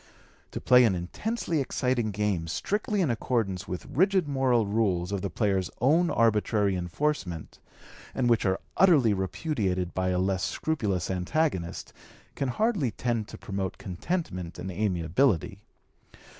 To play an intensely exciting game strictly in accordance with rigid moral rules of the player's own arbitrary enforcement, and which are utterly repudiated by a less scrupulous antagonist, can hardly tend to promote contentment and amiability.